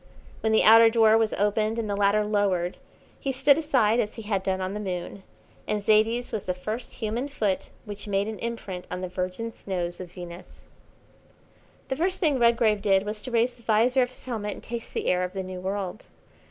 When the outer door was opened and the ladder lowered he stood aside, as he had done on the Moon, and Zaidie's was the first human foot which made an imprint on the virgin snows of Venus. The first thing Redgrave did was to raise the visor of his helmet and taste the air of the new world.